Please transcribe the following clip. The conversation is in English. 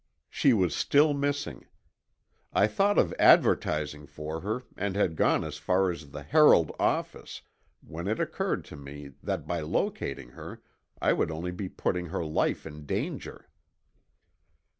She was still missing. I thought of advertising for her and had gone as far as the Herald office when it occurred to me that by locating her I would only be putting her life in danger.